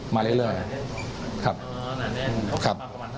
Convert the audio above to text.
ว่าระเนียงถึงวันแกบันเท่าไหร่ที่วันแหละ